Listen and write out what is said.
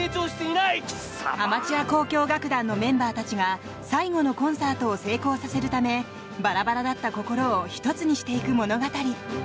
アマチュア交響楽団のメンバーたちが最後のコンサートを成功させるためバラバラだった心を１つにしていく物語。